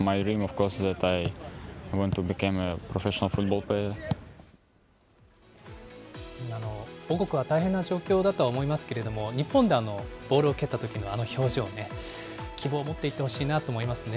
ー母国は大変な状況だとは思いますけれども、日本でボールを蹴ったときのあの表情ね、希望を持っていってほしいなと思いますね。